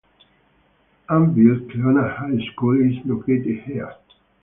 Annville-Cleona High School is located here.